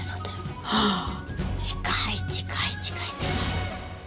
近い近い近い近い。